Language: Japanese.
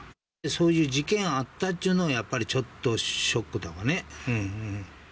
そういう事件あったっちゅうのは、やっぱりちょっとショックだわね。